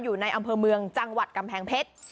อยู่ในอำเภอเมืองจังหวัดกำแพงเพชร